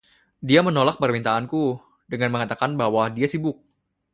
Dia menolak permintaanku dengan mengatakan bahwa dia sibuk.